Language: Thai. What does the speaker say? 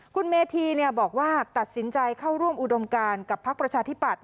คุณเมธีบอกว่าตัดสินใจเข้าร่วมอุดมการกับพักประชาธิปัตย